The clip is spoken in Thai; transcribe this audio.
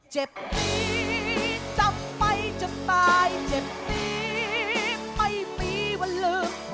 เจ็บนี้จับไปจนตายเจ็บดีไม่มีวันลืม